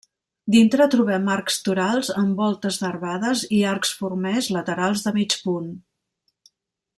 Dintre trobem arcs torals amb voltes nervades i arcs formers laterals de mig punt.